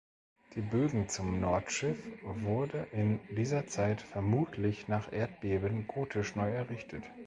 Die Bögen zum Nordschiff wurde in dieser Zeit vermutlich nach Erdbeben gotisch neu errichtet.